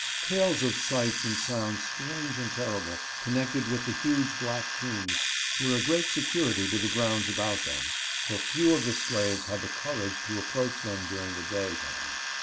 Tales of sights and sounds strange and terrible, connected with the huge black tombs, were a great security to the grounds about them, for few of the slaves had the courage to ap proach them during the day time.